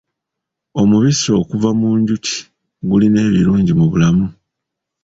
Omubisi okuva mu njuki gulina ebirungi mu bulamu.